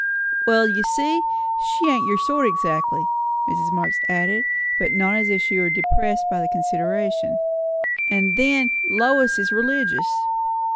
"Well, you see, she ain't your sort exactly," Mrs. Marx added, but not as if she were depressed by the consideration. "And then, Lois is religious."